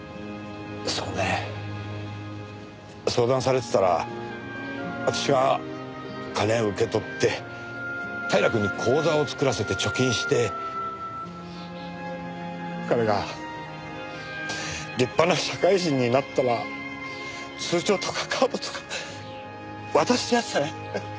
そうねぇ相談されてたら私が金を受け取って平くんに口座を作らせて貯金して彼が立派な社会人になったら通帳とかカードとか渡してやってたね。